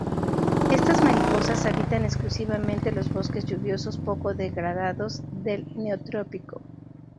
Estas mariposas habitan exclusivamente los bosques lluviosos poco degradados del Neotrópico.